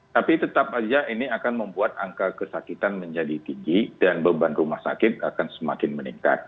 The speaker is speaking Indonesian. tapi tetap saja ini akan membuat angka kesakitan menjadi tinggi dan beban rumah sakit akan semakin meningkat